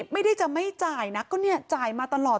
ไม่ได้จะไม่จ่ายนะก็เนี่ยจ่ายมาตลอด